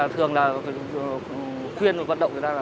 thường là khuyên vận động